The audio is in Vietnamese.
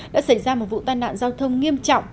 đã xảy ra một vụ tai nạn giao thông nghiêm trọng